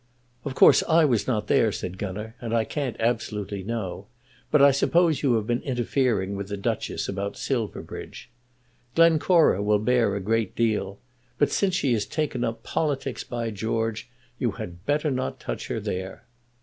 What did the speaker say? "Of course I was not there," said Gunner, "and I can't absolutely know, but I suppose you had been interfering with the Duchess about Silverbridge. Glencora will bear a great deal, but since she has taken up politics, by George, you had better not touch her there."